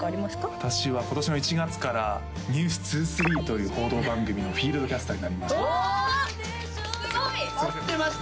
私は今年の１月から「ｎｅｗｓ２３」という報道番組のフィールドキャスターになりましたおすごい！お待ってました！